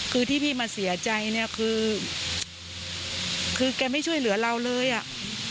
คือที่พี่มาเสียใจเนี่ยคือคือแกไม่ช่วยเหลือเราเลยอ่ะ